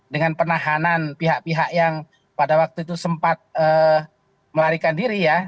dengan penahanan pihak pihak yang pada waktu itu sempat melarikan diri ya